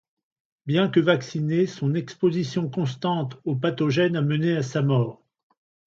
Bien que vaccinée, son exposition constante au pathogène a mené à sa mort.